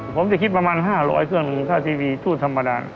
ผมจะคิดประมาณห้าร้อยเครื่องคือค่าทีวีจุดธรรมดา